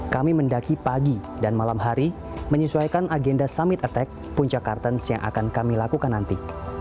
kami mendaki pagi dan malam hari menyesuaikan agenda summit attack puncak kartens yang akan kami lakukan nanti